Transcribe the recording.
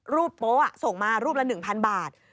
โป๊ะส่งมารูปละ๑๐๐บาท